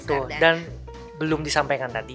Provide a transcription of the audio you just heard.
betul dan belum disampaikan tadi